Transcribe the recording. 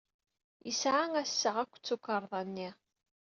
Yesɛa assaɣ akked tukerḍa-nni.